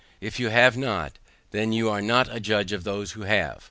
If you have not, then are you not a judge of those who have.